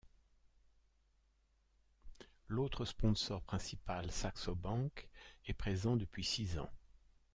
L'autre sponsor principal, Saxo Bank, est présent depuis six ans.